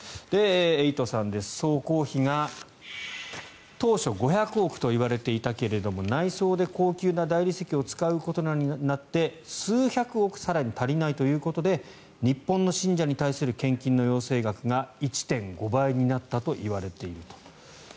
エイトさんです、総工費が当初５００億といわれていたけど内装で高級な大理石を使うことになって数百億更に足りないということで日本の信者に対する献金の要請額が１．５倍になったといわれていると。